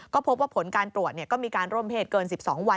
ก็พบว่าผลการตรวจก็มีการร่วมเพศเกิน๑๒วัน